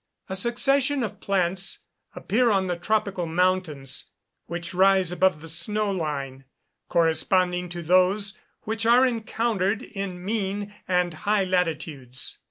A succession of plants appear on the tropical mountains which rise above the snow line, corresponding to those which are encountered in mean and high latitudes.